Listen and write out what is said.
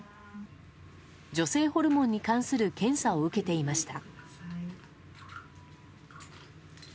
女性ホルモンに関する検査を受けていました。